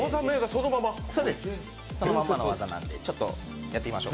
そのまんまの技なんでちょっとやってみましょう。